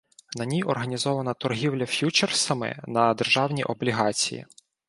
На ній організована торгівля ф'ючерсами на державні облігації.